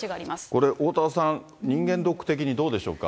これおおたわさん、人間ドック的にどうでしょうか。